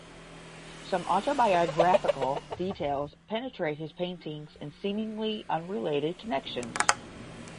Some autobiographical details penetrate his paintings in seemingly unrelated connections.